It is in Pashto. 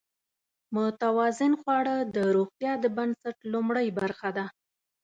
متوازن خواړه د روغتیا د بنسټ لومړۍ برخه ده.